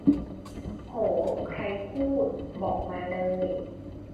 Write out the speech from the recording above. โห ใครพูด บอกมาเลย